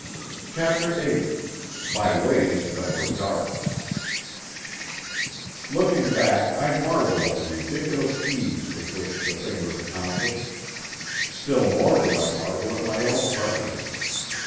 CHAPTER VIII—BY WAYS THAT WERE DARK Looking back I marvel at the ridiculous ease with which the thing was accomplished. Still more do I marvel at my own part in it.